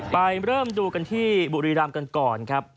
เริ่มดูกันที่บุรีรำกันก่อนครับ